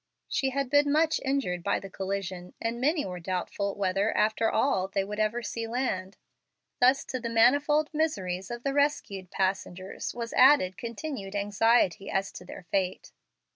She had been much injured by the collision, and many were doubtful whether, after all, they would ever see land. Thus, to the manifold miseries of the rescued passengers, was added continued anxiety as to their fate.